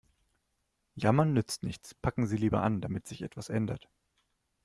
Jammern nützt nichts, packen Sie lieber an, damit sich etwas ändert.